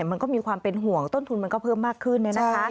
มันก็มีความเป็นห่วงต้นทุนมันก็เพิ่มมากขึ้น